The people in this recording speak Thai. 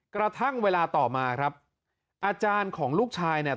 กระทั่งเวลาต่อมาครับอาจารย์ของลูกชายเนี่ย